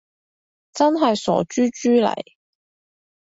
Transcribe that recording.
真係傻豬豬嚟